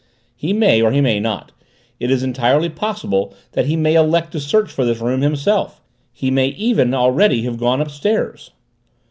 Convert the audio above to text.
"He may or he may not. It is entirely possible that he may elect to search for this room himself! He may even already have gone upstairs!"